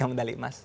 yang mendali emas